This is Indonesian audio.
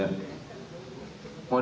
dari mana tadi